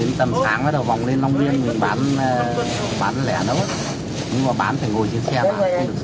nhưng mà bán phải ngồi trên xe mà không được xuống dỗ